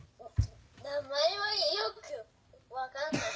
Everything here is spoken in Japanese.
名前はよく分かんない。